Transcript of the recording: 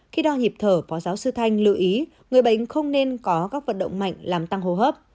khi đo nhịp thở phó giáo sư thanh lưu ý người bệnh không nên có các vận động mạnh làm tăng hồ hấp